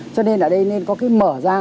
cho nên ở đây nên có cái mở ra